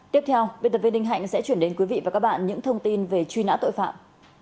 tiếp theo biên tập viên đinh hạnh sẽ chuyển đến quý vị và các bạn những thông tin về truy nã tội phạm